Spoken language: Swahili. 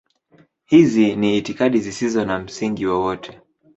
Hizi ni itikadi zisizo na msingi wowote.